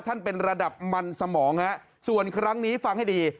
เป็นระดับมันสมองฮะส่วนครั้งนี้ฟังให้ดี